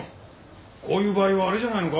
こういう場合はあれじゃないのか？